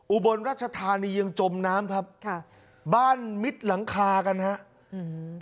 อุบลรัชธานียังจมน้ำครับค่ะบ้านมิดหลังคากันฮะอืม